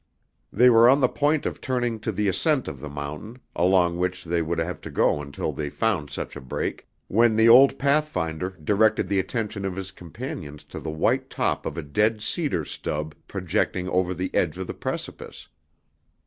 They were on the point of turning to the ascent of the mountain, along which they would have to go until they found such a break, when the old pathfinder directed the attention of his companions to the white top of a dead cedar stub projecting over the edge of the precipice.